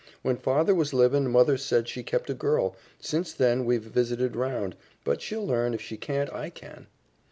"When father was livin' mother said she kept a girl. Since then, we've visited round. But she'll learn, and if she can't, I can."